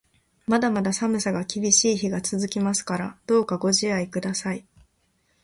まだまだ寒さが厳しい日が続きますから、どうかご自愛ください。